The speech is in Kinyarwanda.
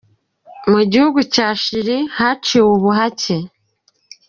Mu gihugu cya Chili, haciwe ubuhake.